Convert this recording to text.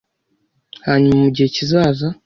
Hanyuma mu gihe kizaza